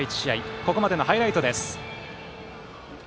ここまでのハイライトです。